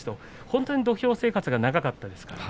本当に土俵生活が長かったですから。